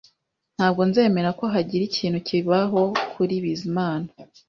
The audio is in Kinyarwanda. Ntabwo nzemera ko hagira ikintu kibaho kuri Bizimana